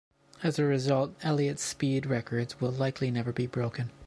As a result, Elliott's speed records will likely never be broken.